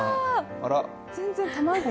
全然卵？